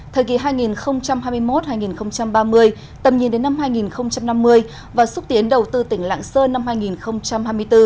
thời kỳ hai nghìn hai mươi một hai nghìn ba mươi tầm nhìn đến năm hai nghìn năm mươi và xúc tiến đầu tư tỉnh lạng sơn năm hai nghìn hai mươi bốn